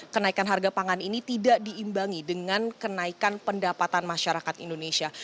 kenaikan harga pangan ini tidak diimbangi dengan kenaikan pendapatan masyarakat indonesia